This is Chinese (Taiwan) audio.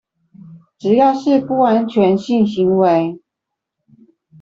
只要是不安全性行為